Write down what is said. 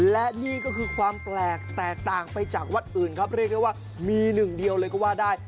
เรียกได้ว่ามีหนึ่งเดียวเลยก็ว่าได้